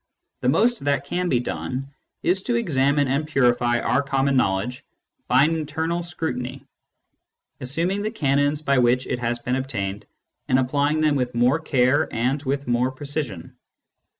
The most that can be done is to examine and purify our common knowledge by an internal scrutiny. Digitized by Google THE EXTERNAL WORLD 67 assuming the canons by which it has been obtained, and applying them with more care and with more precision.